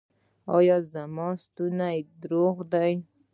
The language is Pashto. ایا زما ستونی روغ دی؟